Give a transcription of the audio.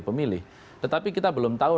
pemilih tetapi kita belum tahu